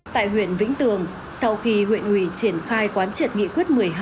tại huyện vĩnh tường sau khi huyện ủy triển khai quán triệt nghị quyết một mươi hai